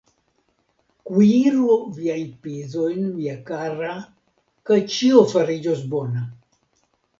Kuiru viajn pizojn, mia kara, kaj ĉio fariĝos bona!